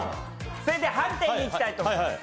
それでは、判定にいきたいと思います。